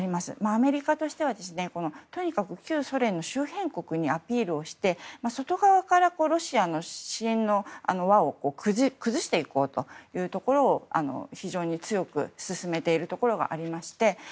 アメリカとしては旧ソ連の周辺国にアピールして外側からロシアの支援の輪を崩していこうというところを非常に強く進めているところがありまして